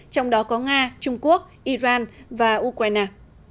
trong đó có nga trung quốc iran và ukraine